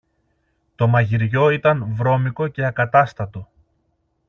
Το μαγειριό ήταν βρώμικο και ακατάστατο.